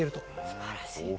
すばらしい。